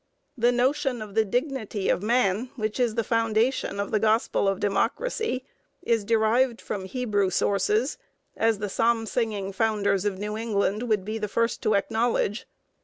The notion of the dignity of man, which is the foundation of the gospel of democracy, is derived from Hebrew sources, as the Psalm singing founders of New England would be the first to acknowledge.